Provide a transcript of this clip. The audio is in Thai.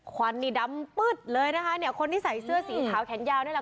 ควันนี่ดำปึ๊ดเลยนะคะเนี่ยคนที่ใส่เสื้อสีขาวแขนยาวนี่แหละ